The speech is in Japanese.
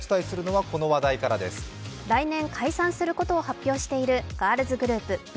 来年、解散することを発表しているガールズグループ・ＢｉＳＨ。